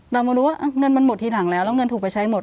เรามารู้ว่าเงินมันหมดทีหลังแล้วแล้วเงินถูกไปใช้หมด